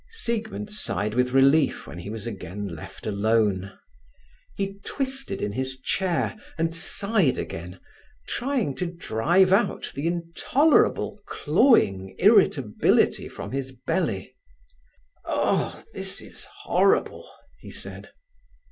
Siegmund sighed with relief when he was again left alone. He twisted in his chair, and sighed again, trying to drive out the intolerable clawing irritability from his belly. "Ah, this is horrible!" he said.